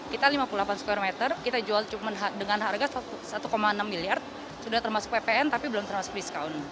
kita jual dengan harga satu enam miliar sudah termasuk ppn tapi belum termasuk discount